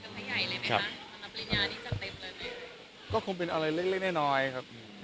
ของขวัญรับปริญญาต้องรอวันรับปริญญา